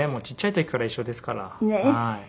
ちっちゃい時から一緒ですから。